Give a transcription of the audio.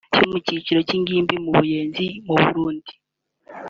yo mu cyiciro cy’ingimbi mu Buyenzi mu Burundi